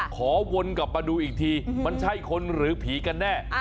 ขอวนกลับมาดูอีกทีมันใช่คนหรือผีกันแน่